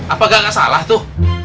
apa gak salah tuh